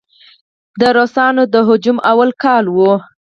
د روسانو د هجوم اول کال و.